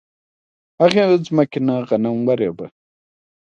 هغې ځمکې نه غنم ورېبه